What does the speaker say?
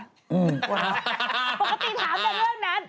ปกติถามแต่เรื่องนั้น